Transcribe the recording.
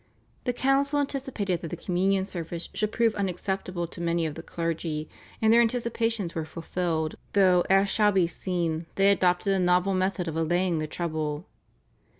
The council anticipated that the Communion service would prove unacceptable to many of the clergy, and their anticipations were fulfilled, though, as shall be seen, they adopted a novel method of allaying the trouble.